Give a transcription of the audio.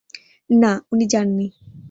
না, উনি যান নি।